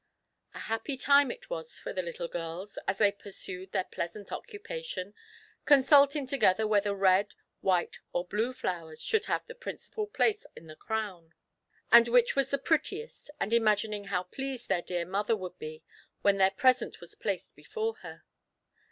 A happy time it was for the little girls, as they puiv sued their pleasant occupation, consulting together whether red, white, or blue flowers should have the prin cipal place in the crown, and which was the prettiest, and imagining how pleased their dear mother would be when their present was placed before her.